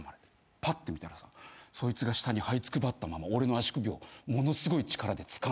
パッて見たらそいつが下にはいつくばったまま俺の足首をものすごい力でつかんでんの。